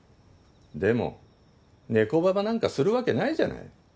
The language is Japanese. でもネコババなんかするわけないじゃない。